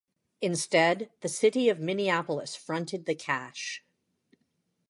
Instead the city of Minneapolis fronted the cash.